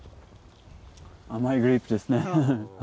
甘いグレープですね。